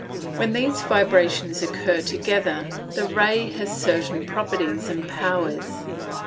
When these vibrations occur together, the ray has certain properties and powers.